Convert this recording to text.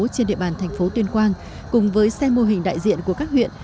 trên địa bàn thành phố tuyên quang cùng với xe mô hình đại diện của các huyện